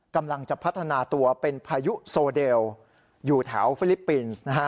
กำลังจะพัฒนาตัวเป็นพายุโซเดลอยู่แถวฟิลิปปินส์